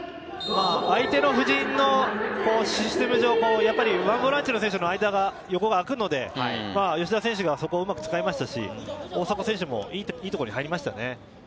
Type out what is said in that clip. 相手の布陣のシステム上、やっぱり守られている選手の横があくので、吉田選手がそこをうまく使いましたし、大迫選手も、いい所に入りましたね。